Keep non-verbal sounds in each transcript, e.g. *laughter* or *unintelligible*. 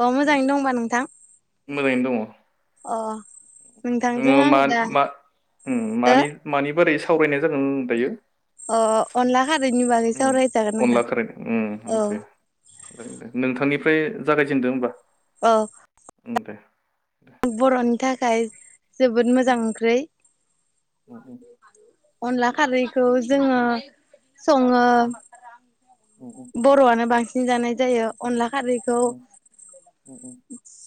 अ मोजाङैनो दंबा नोंथां मोजाङैनो दङ अ नोंथांजों जोङो मा आङो दा मा ओ मानि बोरै सावरायनाय जागोन दायो अ अनला खारैनि बागै सावरायजागोन नोंथां अनला खारै उम औ जागोन दे नोंथांनि ओमफ्राय जागायजेनदो होमबा औ दे बर'नि थाखाय जोबोद उम मोजां ओंख्रै उम *inaudible* अनला खारैखौ जोङो सङो उम उम सिं जानाय जायो अनला खारैखौ उम उम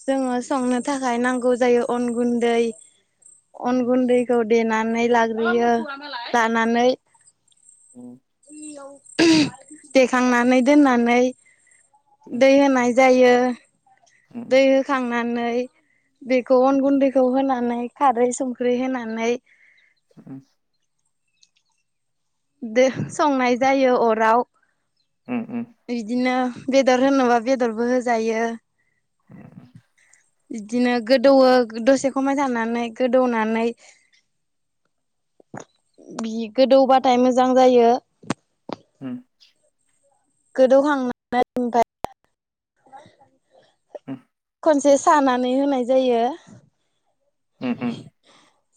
जोङो संनो थाखाय नांगौ जायो अन गुन्दै अन उम उम गुन्दैखौ देना नानै लाग्रोयो लानानै औ देखांनानै दोननानै उम दै होनाय जायो उम दै होखांनानै बेखौ अन गुन्दैखौ होनानै खारै संख्रि होनानै *inaudible* दो संनाय जायो अराव उम नंगौ उम बिदिनो बेदर होनोबा बेदरबो होजायो *inaudible* बिदिनो गोदौवो दसे खमाय थानानै गोदौनानै बि गोदौबाथाय मोजां जायो ओम गोदौखांनानै ओमफाय उम खनसे सानानै होनाय जायो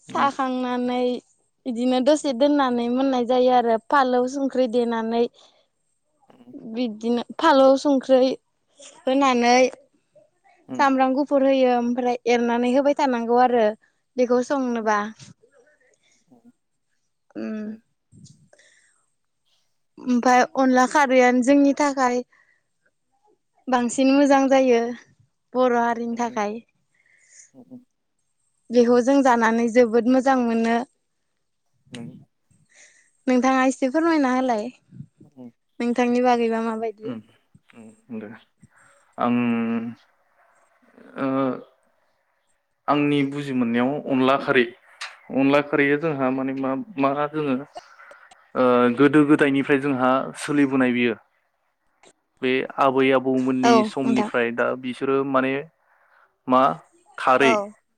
साखांनानै बिदिनो दसे दोननानै मोननाय जायो, आरो फालौ-संख्रि देनानै बिदिनो फालौ-संख्रै होनानै सामब्राम गुफुर होयो। ओमफ्राय एरनानै होबाय थानांगौ आरो बेखौ संनोबा उम ओमफाय अनला खारैआनो जोंनि थाखाय बांसिन मोजां जायो। बर' हारिनि उम थाखाय *inaudible* बेखौ जों जानानै जोबोद मोजां मोनो नोंगौ नोंथाङा एसे फोरमायना हालाय। माबायदि उम नंगौ‌ दे। आं उम ओ आंनि बुजि मोननायाव अनला खारै, अनला खारैया जोंहा माने मा मा जोङो ओ गोदो-गोदायनिफ्राय जोंहा सोलिबोनाय बियो बे आबै-आबौमोननि औ नोंथां समनिफ्राय दा बिसोर ओ माने मा औ खारै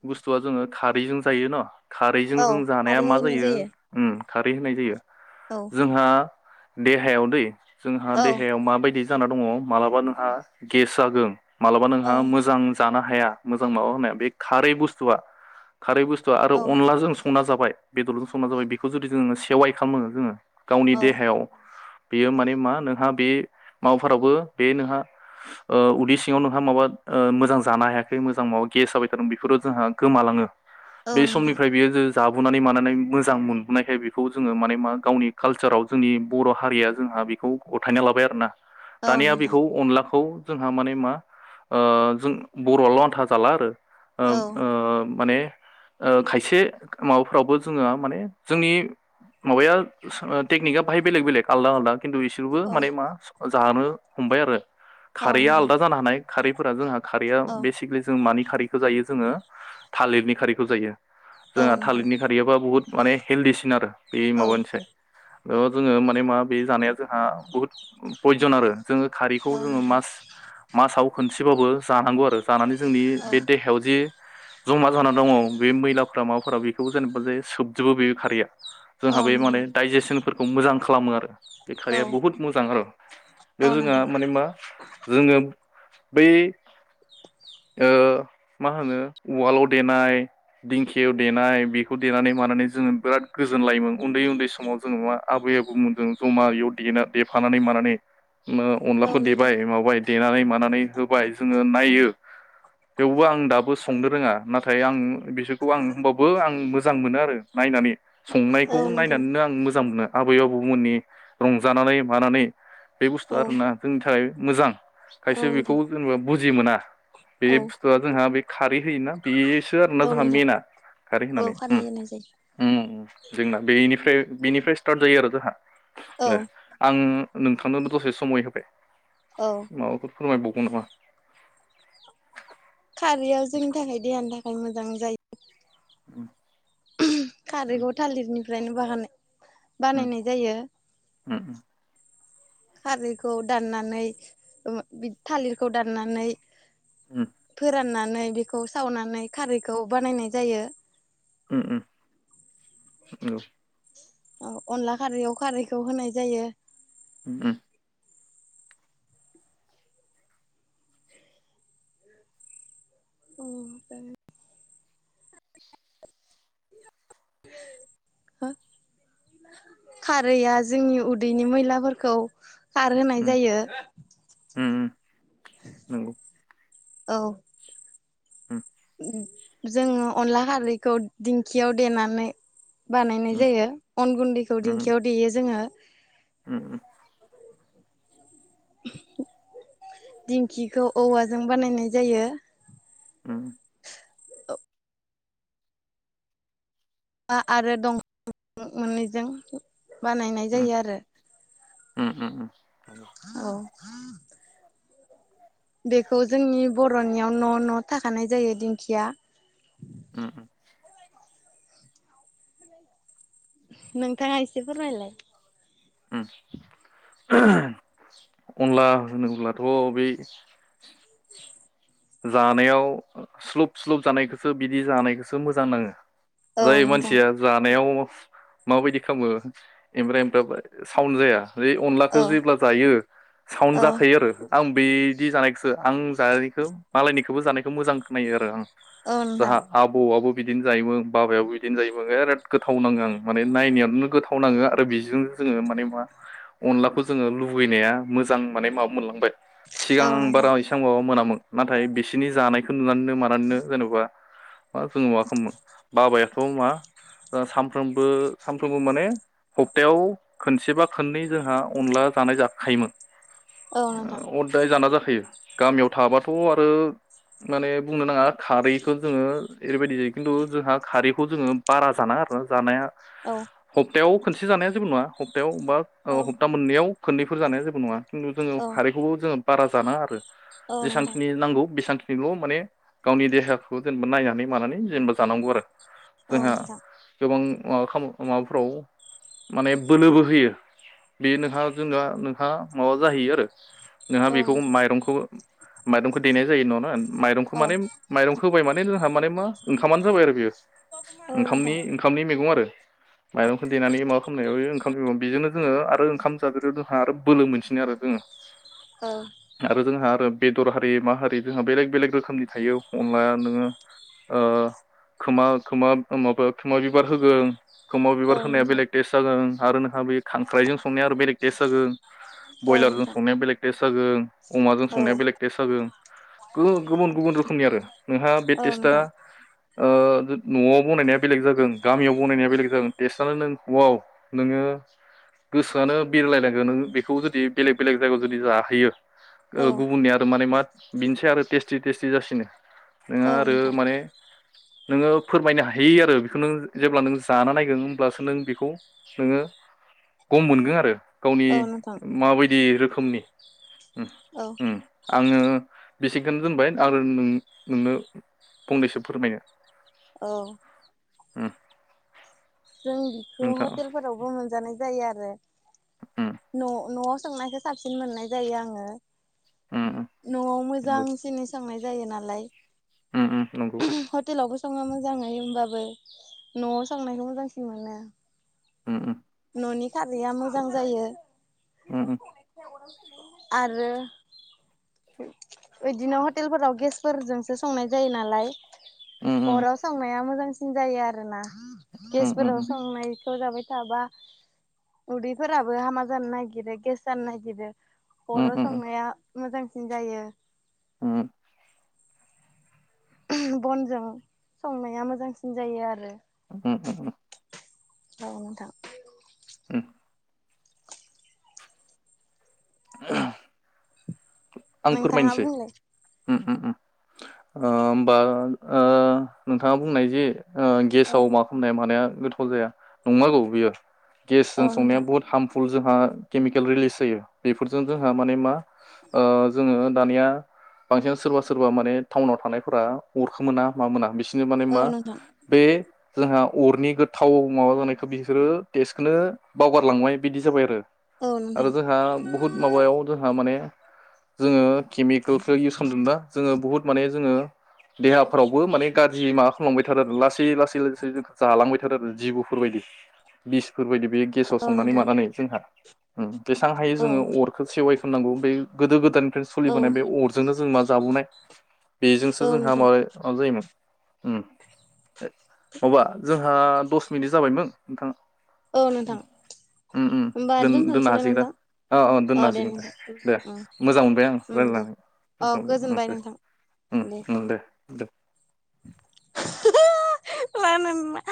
बुस थु आ जोङो खारैजों जायो न'? खारैजों औ जों जानाया खारै मा होनाय जायो उम खारै होनाय जायो? औ जोंहा दे हायाव दै जोंहा औ देहायाव माबायदि जाना दङ मालाबा नोंहा गेस जागोन मालाबा औ नोंहा मोजां जानो हाया मोजां माबा होननाय बे खारै बुस्थुआ खारै बुस्थुआ आरो औ अनलाजों संना जाबाय बेदरजों संना जाबाय बेखौ जुदि जोङो सेवाइ खालामो जोङो गावनि औ देहायाव बेयो माने मा नोंहा बे माबाफोरावबो बे नोंहा उदै सिङाव नोंहा माबा मोजां जानो हायाखै मोजां माबा गेस जाबाय बेफोरो जोंहा गोमालाङो औ बे नोंथां समनिफ्राय बियो ज जाबोनानै मानानै मोजां मोनबोनायखाय बेखौ जोङो माने मा गावनि कालसाराव जोंनि बर' हारिया जोंहा बेखौ गथायना लाबाय आरो ना। औ दानिया नोंथां बेखौ अनलाखौ। जोंहा माने मा जों बर'आल' आन्था जाला आरो। आ औ आ। माने खायसे माबाफ्रावबो जोङो माने जोंनि माबाया टेकनिकआ बाहाय बेलेग बेलेग आलदा आलदा। खिन्थु बिसोरबो औ माने मा। जानो हमबाय आरो। औ खारैया नोंथां आलादा जानो हानाय खारैफोरा जोंहा खारैया औ बेसिकेलि जों मानि खारै ायो जोङो थालिरनि खारिैखौ जायो। औ जोंहा नोंथां थालिरनि खारैयाबा बुहुत। माने हेल्दििसिन आरो। बे औ माबानोसै। बे जोङो माने मा बे जानाया जोंहा बुहुत पयजन आरो। जोङो खारैखौ औ जों नोंथां मास माव मोनसेबाबो जानांगौ आरो। जानानै जोंनि औ बे देहायाव जि जमा जानानै दङ बे मैलाफोरा माबाफोरा बेखौ जेनेबा ज सोबजोबो बे खारैया। औ जोंहा बे नोंथां माने डाइजेसनफोर खौ मोजां खालामो आरो। बे औ खारैया बहुद मोजां आरो, औ बे जोंहा नोंथां माने मा जोङो। बै ओ मा होनो उवालाव देनाय, दिंखियाव देनाय, बेखौ देनानै मानानै जोङो बिराद गोजोनलायोमोन उन्दै उन्दै समाव जोङो मा आबै आबौमोन जों जमा बेयाव देना देफानानै मानानै। औ अनलाखौ नोंथां देबाय माबाय। देनानै मानानै होबाय जोङो नायो। थेवबो आं दाबो संनो रोङा नाथाय आं बिसोरखौ आं हबो आं मोजां मोनो आरो नायनानै। औ संनायखौ नोंथां नायनानैनो आं मोजां मोनो। आबै आबौमोननि रंजानानै मानानै। बे बुस्थुआ औ आरोना जोंनि थाखाय। मोजां। औ खायसे बेखौ नोंथां जेनेबा बुजि मोना बे औ स' जोंहा बे खारै होयोना बेसो आरोना औ जोंहा नोंथां मेना खारै औ होनानै खारै होनाय जायो जोंना बेनिफ्राय। बिनिफ्राय स्टार्ट जायो आरो जोंहा। औ दे आं नोंथांनो दसे समय होबाय औ माबाफोर फोरमायबावगौ नामा खारैयाव जोंनि थाखाय देहानि था खाय मोजां जायो। ओम खारैखौ थालिरनि फ्रायनो बाहानाय उम बानायनाय जायो। उम खारैखौ दाननानै *unintelligible* थालिरखौ दाननानै फोरानना नानै बेखौ सावनानै खारैखौ बानायनाय जायो उम उम नंगौ अ अनला खारैआव खारैखौ होनाय जायो। उम *inaudible* हो खारैआ जोंनि उदैनि मैलाफोरखौ खारहोनाय जायो। नंगौ औ *inaudible* जोङो अनला खारैखौ दिंखियाव देनानै बानायनाय जायो अन गुन्दैखौ दिंखियाव देयो जोङो उम उम दिंखिखौ औवाजों बानायनाय जायो। ओम आ आरो दं *unintelligible* मोननैजों बानायनाय जायो आरो औ ह *unintelligible* बेखौ जोंनि बर'नियाव न' न' थाखानाय जायो दिंखिया ओम ओम नोथाङा एसे फोरमायलाय ओम *unintelligible* अनला होनोब्लाथ' बै जानायाव स्लुब स्लुब जानायखौसो बिदि जानायखौसो मोजां नाङो औ जाय नोंथां मानसिया जानायाव माबायदि खालामो ओमफ्राय फ्राय साउन्ड जाया बे अनलाखौ औ जेब्ला जायो साउन्ड औ जाखायो आरो आं बे जि जानायखौसो आं जानाखौ मालायनिखौबो जानायखौ मोजां खोनो आरो आं। औ नोंथां जाहा आबौआबो बिदिनो जायो बाबायाबो बिदिनो जायो बिराद गोथाव नाङो आं माने नायनायनो गोथाव नाङो आरो बेजोंनो जोङो माने मा अनलाखौ जोङो लुबैनाया मोजां माने माबा मोनलांबाय। औ सिगां बारा नोंथां एसेबां माबा मोनामोन। नाथाय बिसोनि जानायखो नुनानैनो मानानैनो जेनबा मा जोङो माबा खामोमोन बाबायाथ मा सामफ्रोमबो सानफ्रोमबो माने हप्तायाव खनसेबा खननै जोंहा अनला जानाय जाखायोमोन। औ नोंथां ओ अदाय जाना जाख थायो गामियाव थाबा थ आरो माने बुंनो नाङा खारैखो जोङो ओरैबायदि जायो खिन्थु जोंहा खारैखौ जोङो बारा जानाङा आरोना जानाया औ। प्तायाव खसे जानाया जेबो नङा हप्तायाव बा औ ओ हप्ता मोननैयाव खोननैफोर जानाया जेबो नङा। खुनु जोङो औ खारैखौबो जोङो बारा जानाङा आरो औ नोंथां जेसांखि गौ बेसांखिनिल' माने गावनि देहाखौ जेनेबा नायनानै मानानै जेनबा जानांगौ आरो। औ जोंहा नोंथां गोबां माबा खाम-माबाफ्राव माने बोलोबो होयो बे नोंहा जोंहा नोंहा माबा जाहैयो आरो। नोंहा औ बेखौ नोंथां माइरंखौ माइदंखौे देनाय जायो नरा माइरंखौ औ मानि माइरंखौ होबाय माने हा माने मा ओंखामानो जाबाय आरो बियो औ ओंखामनि नोंथां ओंखामनि मैगं आरो। माइरं खो देनानै माबा खालामनायाव ओंखाम बेजोंनो जोङो आरो ओंखाम जाग्रायाव जोंहा आरो बोलो मोनसि नो आरो जोङो औ आरो जोंहा आरो बेदर हारि मा हारि जोंहा बेलेग बेलेग रोखोमनि थायो अनला नोङो ओ खोमा खोमा माबा खोमा बिबार होगोन खोमाव बिबार औ होनाया नोंथां बेलेग टेस्ट जागोन आरोनो हा बे खांख्राइजों संनाया आरो बेलेक टेस जागोन औ ब्रयलारजों नोंथां संनाया बेलेक टेस्ट जागोन अमाजों औ संनाया बेलेग टेस्ट जागोन गुबुन गुबुन रोखोमनि आरो नोंहा बे औ टेस्टआ नोंथां ओ न'आव बनायनाया बेलेग जागोन गामियाव बनायनाया बेलेग जागोन टेस्टआानो नों हआव नोङो गोसोआनो बिरलायनांगोन नों बेखौ जुदि बेलेग बेलेग जायगायाव जुदि जाहैयो। ओ औ गुबुननिया माने मा बिनोसै आरो टेस्टि टेस्टि जासिनो नोङो औ आरो नोंथां माने नोङो फोरमायनो हायि आरो बेखौ नों जेब्ला नों जाना नायगोन होमब्लासो नों बेखौ नोङो गम मोनगोन आरो गावनि औ नोंथां माबायदि रो खोमनि औ आङो बेसेखोनो दोनबाय आरो नों नोंनो फंनैसो फोरमायनो औ। उम जों बिखौ नोंथां हटेलफोरावबो मोनजानाय जायो आरो उम न' न'आव सोंनायखौ साबसिन मोननाय जायो आङो उम उम न'आव नंगौ मोजांसिनि सांनाय जायो नालाय उम उम नंगौ हटेलावबो संङो मोजा नुयो होमबाबो बो न'आव सांनायखौ मोजांसिन मोनो। उम ननि खारैया मोजां जायो। उम उम। आरो इदिनो हटेलफोराव गेसफोरजोंसो संनाय जायो नालाय उम अराव संनाया मोजांसि जायो आरोना उम उम गेसफोराव उम संनायखौ जाबाय जाबाय थाबा उदैफोराबो हामा जानो नागिरो गेस जानो नागिरो उम उम अराव उम संनाया मोजांसिन जायो। उम बनजों संनाया मोजांसिन जायो आरो। उम उम उम। औ नोंथां। उम। *unintelligible* आं नोंथाङा फोरमायनोसै बुंलाय उम उम उम ओ होमबा नोंथाङा बुंनाय जे ओ औ गेसाव मा खामनाय मानाया गोथाव जाया नंगौ बियो औ गेसजों संनाया नोंथां बुहुत हार्मफु- ल जोंहा केमिकेल रिलिस जायो बेफोरजों जोंहा माने मा ओ जोङो दानिया बांसिन सोरबा सोरबा माने टाउनाव थानायफोरा अरखोमोना मा मोना बि बिसनो माने औ मा नोंथां बे जोंहा अरनि गोथाव माबा जानायखौ बिसोरो टेस्टखौनो बावगारलांबाय बिदि जाबाय आरो औ आरो नोंथां जोंहा बुहुत माबायाव जोंहा माने जोङो केमिकेलखौ इउस खालामदों दा जोङो बुहुत माने जोङो देहाफ्रावबो माने गाज्रि माबा खालामांबाय थादों आरो लास- बेयो लासै लासै जोंखो जालांबाय थादो आरो जिबुफोरबायदि बिसफोरबायदि बे गेसाव औ संनानै नोंथां मानानै जोंहा औ बेसेबां हायो औ जोङो अरखो सेवाइ खुंनांगौ बै गोदो गोदायनि औ सोलिबोनाय बे अरजोंनो जों मा जाबोनाय बेजोंसो औ जोंहा नोंथां माबे मा जायोमोन उम माबा जोंहा दस मिनिट जाबायमोन नोंथां औ नोंथां उम उम होमबा दोन-दोननो दोनथ'नोसै ना हासिगोन दा नोंथां औ औ अ दोननो हासिगोन दे नोंथां दे उम मोजां मोनबाय आं उम दे रायलायनानै अ नोंथांनो गोजोनबाय नोंथां उम दे द दे मानोना